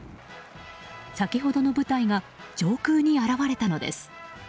先ほどの部隊が上空に現れたのです。